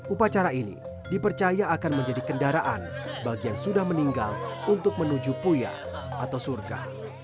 upacara ini dipercaya akan menjadi kendaraan bagi yang sudah meninggal untuk menuju puya atau surga